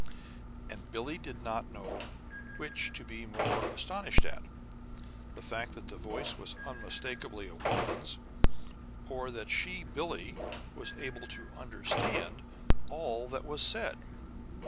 And Billie did not know which to be the more astonished at: the fact that the voice was unmistakably a woman's, or that she, Billie, was able to understand all that was said.